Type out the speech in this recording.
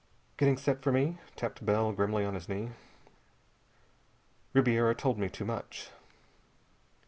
"Getting set for me," tapped Bell grimly on his knee. "_Ribiera told me too much.